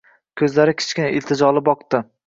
Ko`zchalari kichkina, iltijoli boqadi